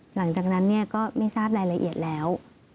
หลังจากนั้นก็ไม่ทราบรายละเอียดแล้ว